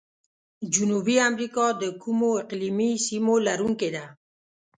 جنوبي امریکا د کومو اقلیمي سیمو لرونکي ده؟